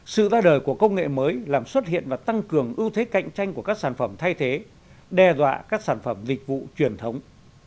sự ra đời của công nghệ mới làm xuất hiện và tăng cường ưu thế cạnh tranh của các sản phẩm thay thế đe dọa các sản phẩm dịch vụ truyền thống